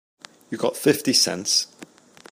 You got fifty cents?